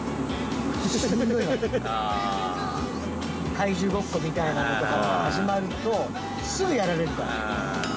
怪獣ごっこみたいなのとか始まるとすぐやられるから。